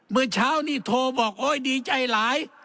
เมื่อเช้านี่โทรบอกโอ๊ยดีใจหลาย